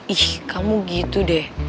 ih kamu gitu deh